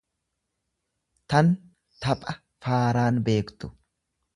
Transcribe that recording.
tan tapha faaraan beektu.